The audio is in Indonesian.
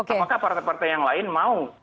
apakah partai partai yang lain mau